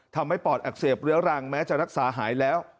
ปอดอักเสบเรื้อรังแม้จะรักษาหายแล้ว